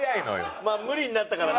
まあ無理になったからね。